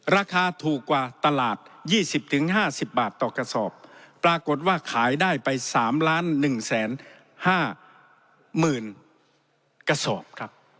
ราคาถูกกว่าตลาด๒๐๕๐บาทต่อกระสอบปรากฏว่าขายได้ไป๓๑๕๐๐๐กระสอบครับ